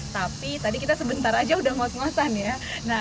tapi tadi kita sebentar saja sudah ngos ngosan ya